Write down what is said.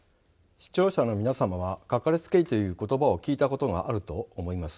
視聴者の皆様は「かかりつけ医」という言葉を聞いたことがあると思います。